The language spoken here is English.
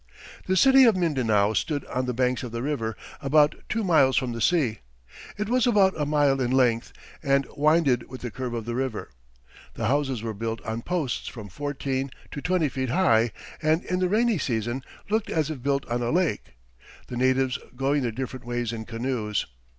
The city of Mindanao stood on the banks of the river, about two miles from the sea. It was about a mile in length, and winded with the curve of the river. The houses were built on posts from fourteen to twenty feet high, and in the rainy season looked as if built on a lake, the natives going their different ways in canoes.